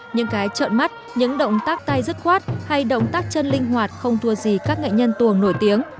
những cái trợn mắt những động tác tay rất khoát hay động tác chân linh hoạt không thua gì các nghệ nhân tuồng nổi tiếng